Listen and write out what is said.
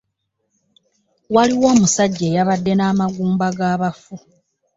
Waliwo omusajja eyabade n'amagumba g'abafu.